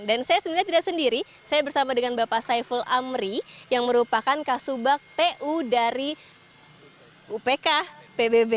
dan saya sebenarnya tidak sendiri saya bersama dengan bapak saiful amri yang merupakan kasubag tu dari upk pbb